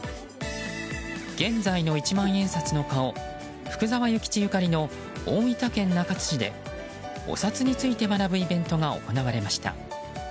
現在の一万円札の顔福沢諭吉ゆかりの大分県中津市でお札について学ぶイベントが行われました。